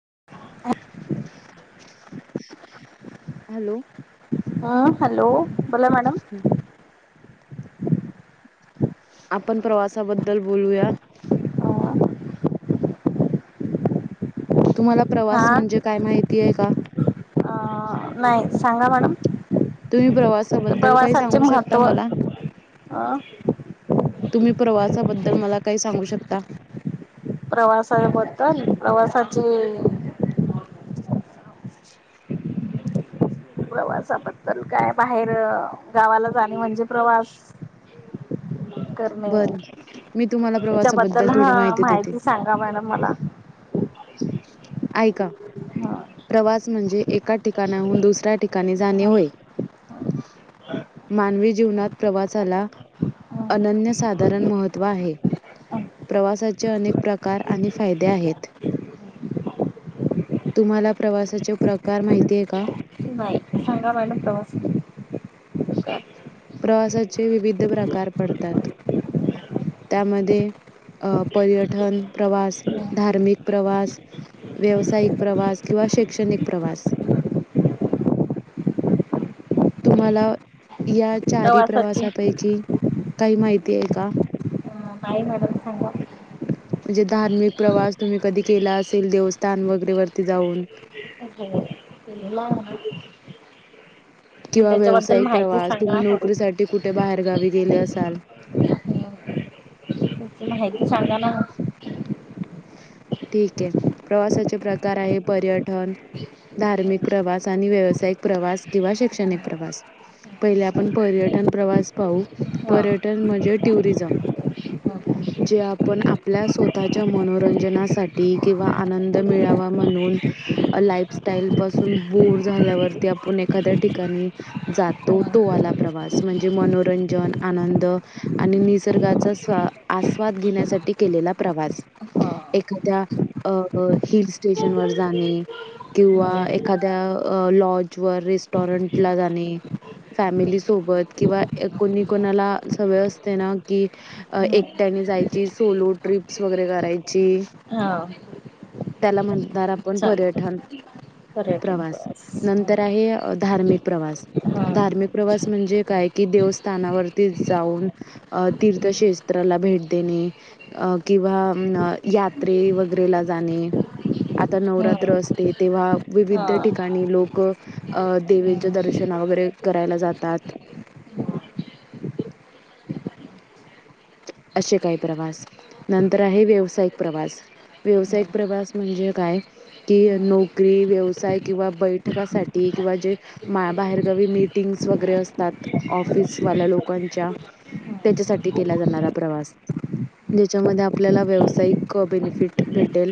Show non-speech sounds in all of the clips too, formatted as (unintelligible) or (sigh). Up hello. हम्म hello बोला madam. आपण प्रवासाबद्दल बोलूया. अ तुम्हाला हा प्रवास म्हणजे काय माहिती आहे का? अ नाही सांगा मॅडम. तुम्ही प्रवासाबद्दल काय प्रवासाचे सांगू शकता महत्त्व मला? अ तुम्ही प्रवासाबद्दल मला काही सांगू शकता. प्रवासाबद्दल प्रवासाची... प्रवासाबद्दल काय बाहेर गावाला जाणे म्हणजे प्रवास. रिकामा ऑडिओ करणे. प्रवासाबद्दल त्याच्याबद्दल थोडी हा देते माहिती सांगा मॅडम मला. ऐका. हा प्रवास म्हणजे एका ठिकाणाहून दुसऱ्या ठिकाणी जाणे होय. मानवी जीवनात प्रवासाला.. अनन्य साधारण महत्त्व आहे. प्रवासाचे अनेक प्रकार आणि फायदे आहेत. तुम्हाला प्रवासाचे प्रकार माहिती आहे का? थांबा मॅडम प्रवास (unintelligible) प्रवासाचे विविध प्रकार पडतात त्यामध्ये.. अ पर्यटन प्रवास धार्मिक प्रवास.. व्यावसायिक प्रवास किंवा शैक्षणिक प्रवास. तुम्हाला.. या चारी प्रवासाची प्रवासापैकी काही माहिती आहे का,? नाहीं मॅडम सांगा. म्हणजे धार्मिक प्रवास तुम्ही कधी केला असेल देवस्थान वगैरे वरती जाऊन. (unintelligible) किंवा त्याच्याबद्दल व्यावसायिक माहिती प्रवास सांगा तुम्ही थोडी नोकरीसाठीकुठे बाहेर गावी गेले? (unintelligible) (unintelligible) माहिती सांगा ना. ठीक आहे प्रवासाचे प्रकार आहे पर्यटन. धार्मिक प्रवास आणि व्यावसायिक प्रवास किंवा शैक्षणिक प्रवास. पहिले आपण पर्यटन प्रवास पाहू हा पर्यटन म्हणजे टुरिझम. जे आपण आपल्या स्वतःच्या (inaudible) रंजनासाठी किंवा आनंद मिळावा म्हणून लाइफस्टाईल पासून बोर झाल्यावरती आपण एखाद्या ठिकाणी जातो तो वाला प्रवास म्हणजे मनोरंजन आनंद आणि निसर्गाचा स्वा आस्वाद घेण्यासाठी केलेला प्रवास हा एखाद्या अ हिल स्टेशन वर जाणे किंवा एखाद्या लॉज वर रेस्टॉरंटला जाणे फॅमिली सोबत किंवा कोणी कोणाला सवय असते ना की हम्म एकट्याने जायची सोलो ट्रिप्स वगैरे करायची हा त्याला म्हणणार आपण चाल पर्यठण प्रवास नंतर आहे धार्मिक प्रवास हा धार्मिक प्रवास म्हणजे काय कि देवस्थानावरती जाऊन तीर्थशेस्ताला भेट देणे.. अ.. किंवा अ यात्रे वगैरेला जाणे आता नवरात्र हम्म असते तेव्हा हा विविध ठिकाणी लोक अ देवीच्या दर्शन वगैरे करायला जातात असे काही प्रवास. नंतर आहे व्यवसायिक प्रवास व्यवसायिक प्रवास म्हणजे काय कि नोकरी व्यवसाय किंवा बैठकासाठी किंवा जे बाहेरगावी मीटिंग्स वगैरे असतात ऑफिस वाल्या लोकांच्या त्याच्यासाठी केला जाणारा प्रवास ज्याच्यामध्ये आपल्याला व्यावसायिक बेनिफिट भेटेल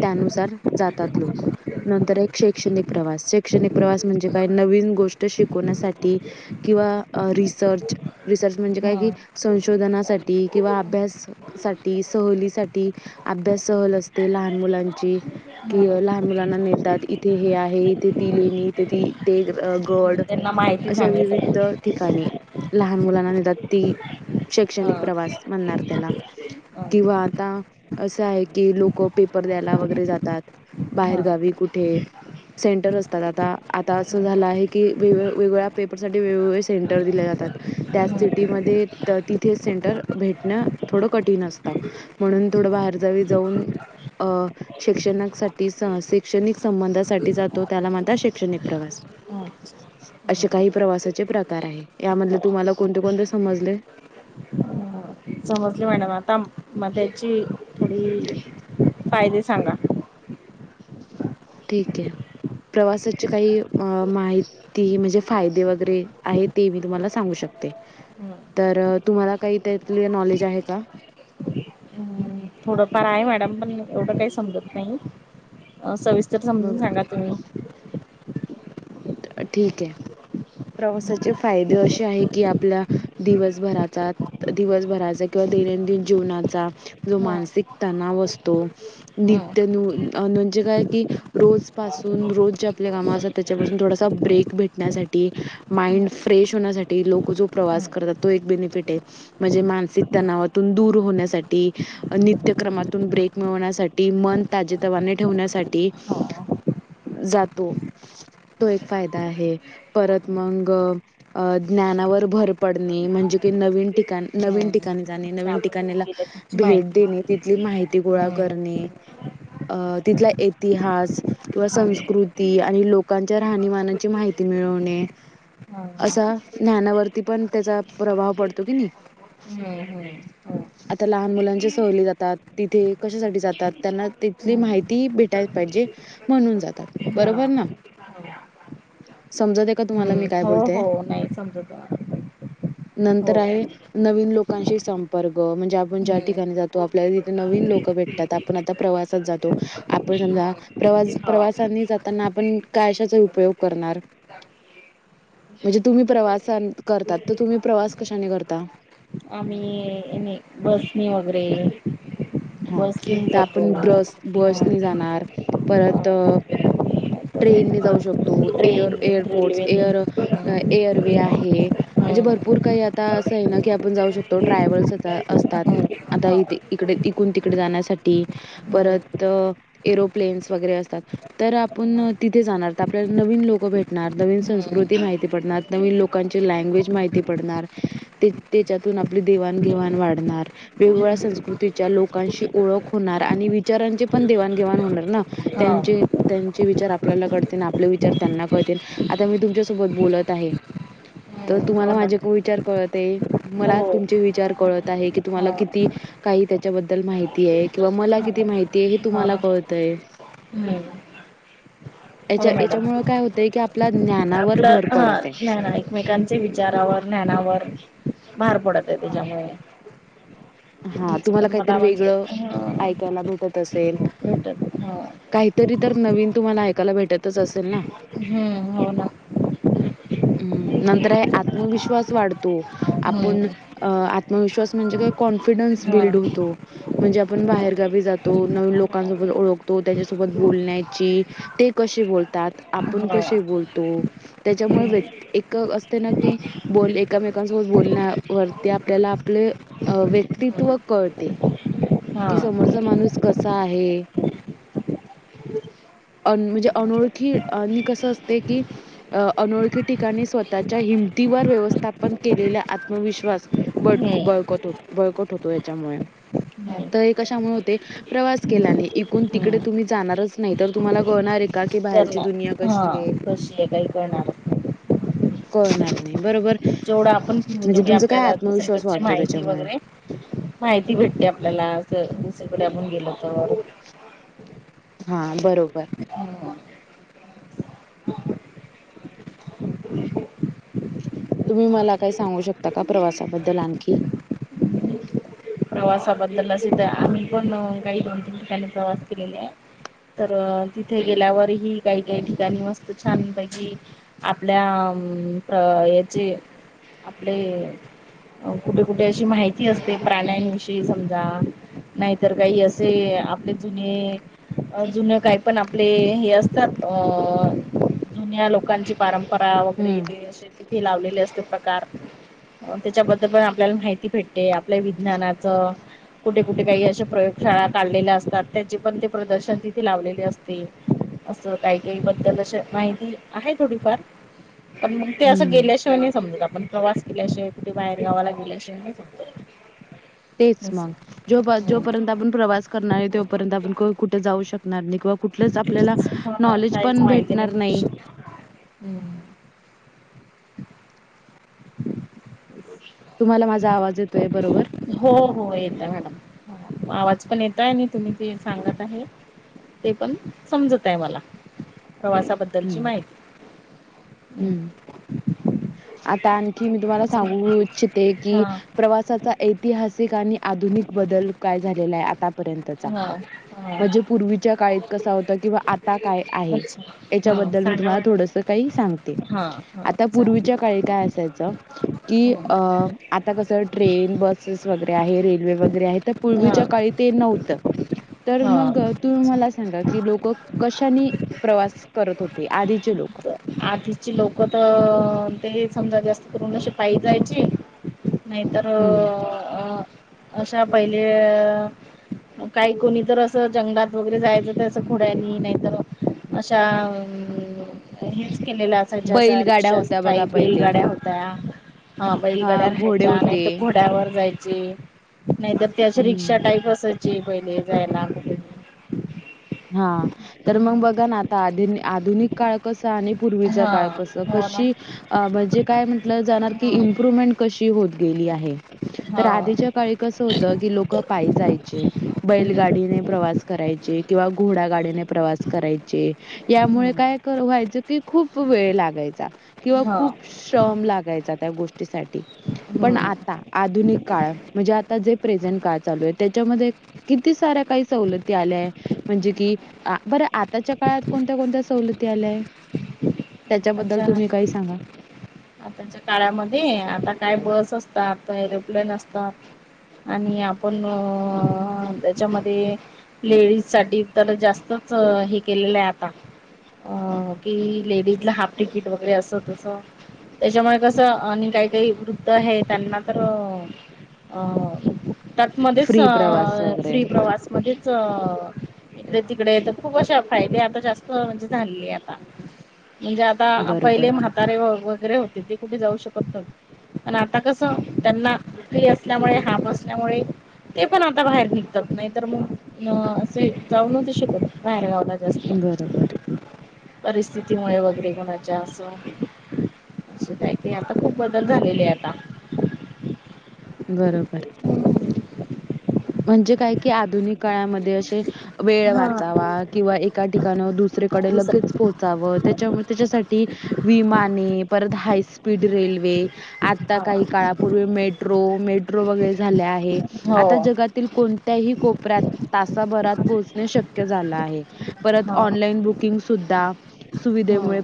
त्यानुसार जातात लोक नंतर एक शैक्षणिक प्रवास शैक्षणिक प्रवास म्हणजे काय नवीन गोष्ट शिकवण्यासाठी किंवा रिसर्च... रिसर्च म्हणजे काय हा की हा (unintelligible) साठी किंवा अभ्यास साठी सहलीसाठी अभ्यास सहल असते लहान (inaudible) मुलांची... की लहान मुलांना नेतात... इथे हे आहे... इथे ती लेणी... इथे ती... ते.. गड त्यांना माहिती अशा सांगायचं विविध ठिकाणी लहान मुलांना नेतात ती शैक्षणिक प्रवास म्हणणार त्याला किंवा आता असं आहे की लोकं पेपर द्यायला वगैरे जातात... बाहेर गावी कुठे सेंटर असतात आता आता असं झालं आहे की वेगवेगळ्या पेपरसाठी वेगवेगळे सेंटर दिले जातात तात त्या सिटीमध्ये तर तिथे सेंटर भेटणं थोडं कठीण असत म्हणून थोडं बाहेर जावी जाऊन अ शिक्षणासाठी शैक्षणिक संबंधासाठी जातो त्याला म्हणतात शैक्षणिक प्रवास हम् (unintelligible) अशे काही प्रवासाचे प्रकार आहे यामधले तुम्हाला कोणते कोणते समजले (unintelligible) समजले मॅडम आता म त्याची थोडी फायदे सांगा ठीकये प्रवासाची काही माहिती म्हणजे फायदे वगैरे आहे ते मी तुम्हाला सांगू शकते ते... हम्म तर तुम्हाला काही त्यातले नॉलेज आहे का हम्म थोडंफार आहे मॅडम पण एवढं काही समजत नाही... अ... सवि स्तर समजून मग सांगा तुम्ही ठीकये प्रवासाचे फायदे अशे आहे की आपल्या दिवसभराचा दिवसभराचा किं... दैनंदिन जीवनाचा जो मानसिक तणाव असतो हम्म. नित्य.. न्यू.. म्हजे काय की.. रोज पासून रोज जे आपले कामं असतात त्याच्यापासून थोडासा ब्रेक भेटण्यासाठीं.. (unintelligible) माईंड फ्रेश होण्यासाठी लोकं जो प्रवास करतात तो एक बेनिफिट आहे. म्हणजे मानसिक तणावातून दूर (unintelligible) होण्यासाठी... नित्यक्रमातून ब्रेक मिळवण्यासाठी... मन ताजेतवाने ठेवण्यासाठी ते जातो तो एक फायदा आहे... परत मग... अ... ज्ञानावर भर पडणे म्हणजे की नवीन ठिकाण हम्म नवीन ठिकाणी जाणे नवीन त्यामुळे ठिकाणीला तुम्ही गेल्या तिची भेट माहिती देणे तिथली माहिती गोळा हम्म. करणे, अ तिथला ये इतिहास किंवा हम्म संस्कृती आणि, लोकांच्या राहणीमानाची माहिती मिळवणे. असा ज्ञानावरती पण त्याचा प्रभाव पडतो कीनि, हम्म हम्म (unintelligible) हम्म. आता लहान मुलांच्या सहली जातात, तिथे कशासाठी जातात त्यांना तिथली हम्म माहिती भेटाय. म्हणून जातात हा बरोबर ना समजा, हम्म हो हो नाही समजूता, नंतर आहे नवीन लोकांशी संप, पारग मंजे आपण ज्या हम्म. ठिकानि जातो. आपल्याला तिथे नवीन लोक भेतात आपण आता प्रवासात जातो आ समजा प्रवास हो प्रवासांनी जातांना, आपण कायशाचा उपयोग करणार? म्हणजे तुम्ही प्रवासां करता, तर तुम्ही प्रवास कशाने करता? आम्ही हेनी बसनी वगेरे, हा तर आपण ब्रस ह बसनि जाणार, परत ट्रेननी जाऊ शकतो एअर ट्रेन एअरपीर्ट्स, रेल्वेनी एअर हम्म एअरवे आहे, म्हणजे हम्म. भरपूर काही आता असं आहे, ना की आपण जाऊ शकतो ट्रय ट्रायवलं हो असतात आता ना इेते इकडे, तिकून तिकडे जाण्यासाठी परत, एरोप्लेन्स वगैरे असतात तर आपण. तिथे जाणार आपल्याला नवीन लोक भेटणार नवीन, संस्कृती माहिती पडणार नवीन लोकांची लँग्वेज माहि ति पडणार, ते तेचातून आपली देवाघेवाण वाढणार, वेगगळ्या संस्कृती लोकांशी ओळख होणार, आणि विचारांचे पण देवाणघेवाण होणार, ना हो त्यांचे हो त्यांचे वी चार आपल्याला कडतीन आपले विचार त्यांना कळतीन, आता मी तुमच्या सोबत बोलत आहे. तर हो तुम्हाला ना माझे विचार कळत आहे, मला हो तुमचे विचार कळत आहे की तुम्हाला किती, काही त्याच्याबद्दल माहितिये किंवा मला किती माहितीये हे तुम्हाला कळतय. (unintelligible) येच्या मॅडम येच्यामुळ काय होतंय की आपला, ज्ञानावर आपलं भर पडत आहे हा ना एकमेकांच्या विचारावर ज्ञानावर, भार पडत आहे. त्याज्यामुळे, (inaudible) हा तुम्हाला काहीतरी वेगळं, ह ऐकायला भेटत असेल. भेटत ह काहीतरी तर नवीन तुम्हाला ऐकायला भेटतच असेल ना, हम्म हो ना, (inaudible) हम् नंतर आहे, आत्मविश्वास वाढतो, आपण हम्म अ आत्मविश्वास म्हणजे काय? कॉन्फिडन्स हा बिल्ड होतो. म्हणजे आपण बाहेरगावी जातो, नवी लोकांसोबत ओळखतो त्यांच्यासोबत बोलण्याची ते कश बोलतात आपण हा कशे बोलतो त्याच्यामुळ व्यक हम्म एक असतंयना की बोल, एमेकांसोबत बोलण्यावरती आपल्याला आपले अ व्यक्तित्व कळते. हा कि समोरचा माणूस कसा आहे, अ म्हणजे अनोळखी अणि कस असते, की अ अनोळखी ठिकाणी स्वतःच्या हि तीवर व्यवस्थापन केलेला, आत्मविश्वास बट हम्म बळकत बळकट होतो याच्यामुळे, (inaudible) तर हम्म हे कशामुळे होते, प्रवास केल्याने इकुण तिकडे हम्म तुम्ही जाणारच नाही, तर तुम्हाला कळणार आहे का, का कि बाहेरची करणार दुनिया हा कशी आहे, कशी आहे काही करणारच कळणार नाही, बरोबर जेवढं आपण फिरू म्हणजे तेवढी तुमचा काय आपल्याला आत्मविश्वास दुसरीकडची वाढतो माहिती त्याच्यामुळे. वगैरे, माहिती भेटते आपल्याला दुसरीकडे आपण गेलो तर, हा बरोबर, हम्म. (inaudible) तुम्ही मला काही सांगू शकता का? प्रवासाबद्दल आणखी, प्रवासाबदललास तर आम्ही पण अ काही दोन तीन ठिकाणी प्रवास केलेले आहे, तर तिथे गेल्यावर ही काही, काही ठिकाणी वस्त छान पैकी आपल्या, हम्म अ यचे, आपले कुठे कुठे अशी माहिती असते प्राण्यां समजा नाही तर काही असे आपले जुने अ जुन काही पण आपले हे असतात अ जुन्या लोकांची पारंपरा. परा वगैरे हम्म. जे अशे ते लावलेले असतात. प्रकार त्यच्या बद्दल पण आपल्याला माहिती भेटते. आपल्या विज्ञानात त (inaudible) कुठे कुठे काही अशा प्रयोगशाळा काढलेल्या असतात त्याचे पण ते प्रदर्शन तिथे लावलेले असतात असं काही काही बद्दल अशी अफवा आहे की आहे थोडी फार पण मग ते असं हम्म. गेल्या शिवाय नाही समजत आपण प्रवास केल्या शिवाय कुठे बाहेर गावाला गेल्या शिवाय नाही समजत तेच असं. मग जो जो पर्यंत आपण प्रवास करणार आहे तोपर्यंत आपण कुठे जाऊ शकणार नाही किंवा कुठ कुठलाच आपल्याला हो ना नॉलेज काहीच पण माहिती भेटणार नाही भविष्यात तुम्हाला माझा आवाज येतोय बरोबर? हो, हो येतय मॅडम आवाज पण येतय आणि तुम्ही जे सांगत आहे ते पण समजत आहे. मला प्रवासाबद्दलची हम्म. माहिती हम्म. (inaudible) आता आणखी मी तुम्हाला अजून सांगू इच्छिते की हा प्रवासाचा ऐतिहासिक आणि आधुनिक बदल काय झालेला आहे. आता पर्यतचा हा हा म्हणजे पूर्वीच्या काळीत कसा होता किंवा आता काय आहे अच्छा हा याच्याबद्दल मी सांगा तुम्हाला थोडस मॅडम काही सांगते. हा हा आता चालेल पूर्वीच्या काळी काय असायच की आता कस ट्रेन बसेस वगैरे आहेत रेल्वे वगैरे आहे तर हा पूर्वीच्या काळी ते नव्हत तर हा मग तुम्ही अच्छा मला सां सांगा की लोक कशानी प्रवास करत होते. आधीचे लोक आधीची लोक त ते समजा जास्त करून अशे पायी जायचे नाही तर हं. अ अशा पहिले अ काही कोणी तर असं जंगलात वगैरे जायच नाही तर आशा पुड्यानी नाही तर अशा हे केलेल्या असायच्या आस बैलगाड्या रिक्षा होत्या बघा स्टाईल पहिले. बैलगाड्या होत्या हा बैलगाड्या हां, घोडे राहायच्या आणि होते. तर घोड्यावर जायचे नाही तर ती आशी रिक्षा हं. टाईप असायची पहिले जायला कुठे ही हा तर मग बघा ना आता आधु आधुनिक काळ कस कस आणि पूर्वीचा हा काळ कस हो ना कशी अ म्हणजे काय म्हटल जाणार की हा इम्प्रुमेंट कशी होत होत गेली आहे तर हा आधीच्या काळी कस होत की लोक पायी जायचे हम्म बैलगाडी मी प्रवास करायचे किंवा घोडागाडीने प्रवास करायचे यामुळे हम्म काय व्हायचं कि खूप वेळ लागायचा किंवा हा खूप श्रम लागायचा त्या गोष्टीसाठी पण हम्म आता आधुनिक काळत म्हणजे आता जे प्रेझेंट काळ चालू आहे त्याच्या मध्ये किती साऱ्या काही सवलती आल्याय म्हणजे की बर आ आताच्या काळात कोणत्या कोणत्या सवलती आल्या आहेत अच्छा आताच्या काळामध्ये आता काय बस असतात आता एरोप्लेन असतात आणि आपण अ त्याच्यामध्ये लेडीज साठी तर जास्तच हे केलेलं आहे आता अ कि लेडीज ला हाफ तिकीट वगैरे अस तस त्याच्यामुळे कसं आणि काही काही वृद्ध हे त्यांना तर अ त्यातमध्येच अ फ्री प्रवास वगैरे श्री प्रवास मध्ये इकडे तिकडे तर खूप आशा फायदे आता जास्त म्हणजे झालेले आहे आता म्हणजे आता पहिले बरोबर म्हातारे वगैरे होते ते कुठे जाऊ शकत नव्हते पण आता कस त्यांना फ्री असल्यामुळे हाफ असल्यामुळे ते पण आता बाहेर निघतात नाही तर मग अ असे जाऊन नव्हते शिकत बाहेर गावाला बरोबर जास्त परिस्थितीमुळे वगैरे कोुणाच्या असो. अस काय क आता खूप बदल झालेले आता बरोबर. ह. म्हणजे काय कि आधुनिक काळामध्ये असे वेळ हा वाचावा किंवा एका ठिकाण दुस दुसरीकडे लगेच दुसरं पोहोचावं त्याच्यामुळे त्याच्यासाठी विमाने परत हायस्पीड रेल्वे आता हा काही काळापूर्वी मेट्रो मेट्रो वगैरे झाले आहेत हो आता जगात कोणत्याही कोपऱ्यात तासाभरात पोहोचणे शक्य झालं आहे. परत हा ऑनलाईन बुकिंग सुद्धा. हम्म. सुविधेमुळे,